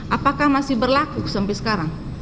apakah masih berlaku sampai sekarang